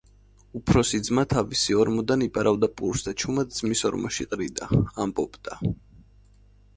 უფროსი ძმა თავისი ორმოდან იპარავდა პურს და ჩუმად ძმის ორმოში ყრიდა. ამბობდა: